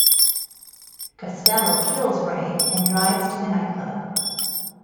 Costello kills Rey and drives to the nightclub.